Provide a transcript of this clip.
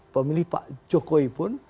pemilih pak jokowi pun